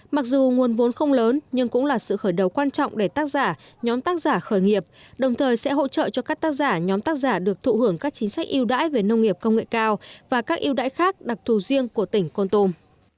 mặc dù nguồn vốn không lớn nhưng cũng là sự khởi đầu quan trọng để tác giả nhóm tác giả khởi nghiệp đồng thời sẽ hỗ trợ cho các tác giả nhóm tác giả được thụ hưởng các chính sách yêu đãi về nông nghiệp công nghệ cao và các yêu đãi khác đặc thù riêng của tỉnh con tum